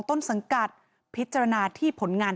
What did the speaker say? ปี๖๕วันเช่นเดียวกัน